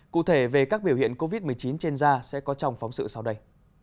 cụ thể về các biểu hiện covid một mươi chín trên da sẽ có trong phóng sự sau đây